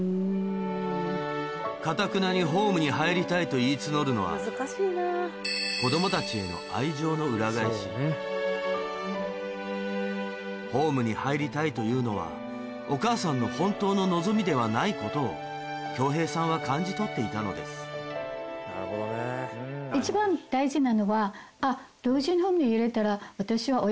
かたくなに「ホームに入りたい」と言い募るのは「ホームに入りたい」というのはお母さんの本当の望みではないことを協平さんは感じ取っていたのです一番大事なのは。